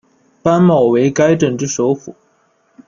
班茂为该镇之首府。